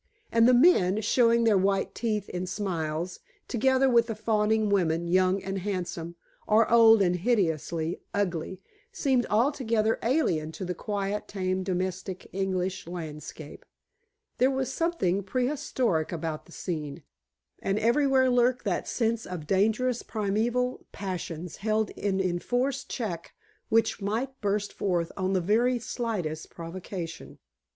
And the men, showing their white teeth in smiles, together with the fawning women, young and handsome, or old and hideously ugly, seemed altogether alien to the quiet, tame domestic English landscape. There was something prehistoric about the scene, and everywhere lurked that sense of dangerous primeval passions held in enforced check which might burst forth on the very slightest provocation.